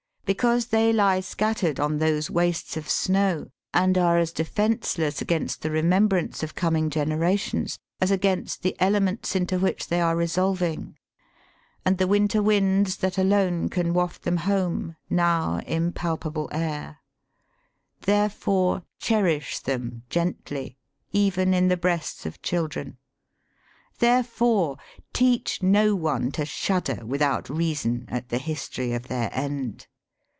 Because they lie scat tered on those wastes of snow, and are as defenceless against the remembrance of coming generations, as against the elements into which they are resolving, and the winter winds that alone can waft them home, now, impalpable air ; therefore, cherish them gently, even in the breasts of children. Therefore, teach no one to shudder without reason, at the history of their end.